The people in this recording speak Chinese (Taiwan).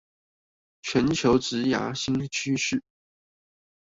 全球職涯新趨勢